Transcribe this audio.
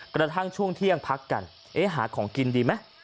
กระทั่งช่วงเที่ยงพักกันหาของกินดีไหม